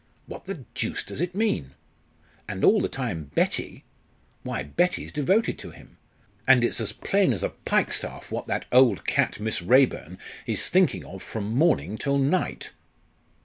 What the deuce does it mean? And all the time Betty why, Betty's devoted to him! and it's as plain as a pikestaff what that old cat, Miss Raeburn, is thinking of from morning till night!